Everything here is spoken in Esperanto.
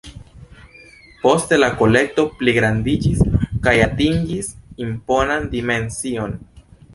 Poste la kolekto pligrandiĝis kaj atingis imponan dimension.